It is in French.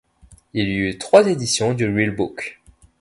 Il y eut trois éditions du Real Book.